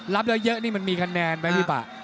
รับเยอะนี่มันมีคะแนนไหมพี่ป่า